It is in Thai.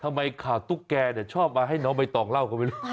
ทำไมขาดตุ๊กแก่เนี่ยชอบมาให้น้องไปต่องเหล้ากันไม่รู้ค่ะ